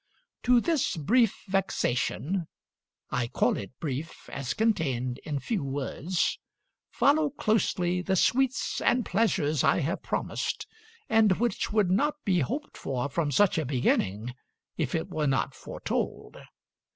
To this brief vexation (I call it brief, as contained in few words) follow closely the sweets and pleasures I have promised, and which would not be hoped for from such a beginning if it were not foretold.